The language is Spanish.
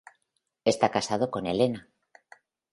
Está casado con elena.